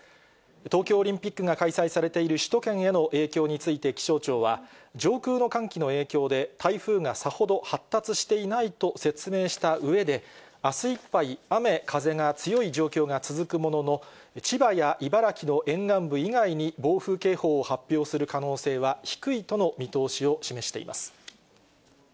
東京オリンピックが開催されている首都圏への影響について気象庁は、上空の寒気の影響で、台風がさほど発達していないと説明したうえで、あすいっぱい、雨風が強い状況が続くものの、千葉や茨城の沿岸部以外に暴風警報を発表する可能性は低いとの見通しを示しています。